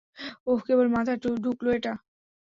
ওহ, কেবল মাথায় ঢুকলো এটা?